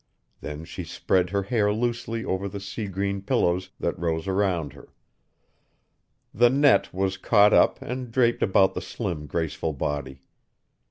Then she spread her hair loosely over the sea green pillows that rose around her. The net was caught up and draped about the slim, graceful body.